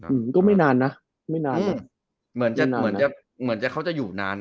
อืมก็ไม่นานนะไม่นานเหมือนจะเหมือนจะเหมือนจะเขาจะอยู่นาน